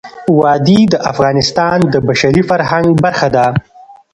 وادي د افغانستان د بشري فرهنګ برخه ده.